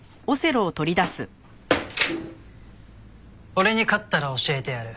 俺に勝ったら教えてやる。